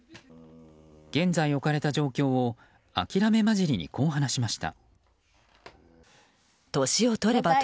現在置かれた状況を諦め交じりにこう話しました。